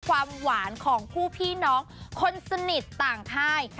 ความหวานของคู่พี่น้องคนสนิทต่างค่าย